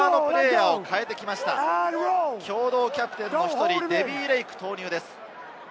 共同キャプテンの１人、デヴィ・レイクを投入です。